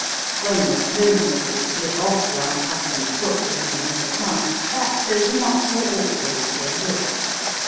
When the proneness to slip off the unaccustomed foot has been overcome, backstays are not so awkward as they look.